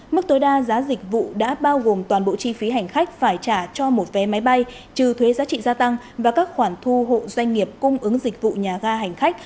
mức tối đa giá dịch vụ đã bao gồm toàn bộ chi phí hành khách phải trả cho một vé máy bay trừ thuế giá trị gia tăng và các khoản thu hộ doanh nghiệp cung ứng dịch vụ nhà ga hành khách